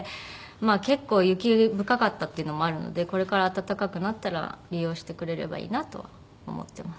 結構雪深かったっていうのもあるのでこれから暖かくなったら利用してくれればいいなと思ってます。